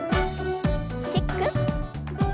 キック。